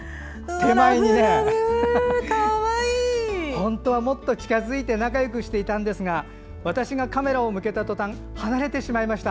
本当は、もっと近づいて仲よくしていたんですが私がカメラを向けたとたん離れてしまいました。